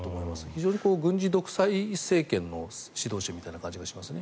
非常に軍事独裁政権の指導者みたいな感じがしますね。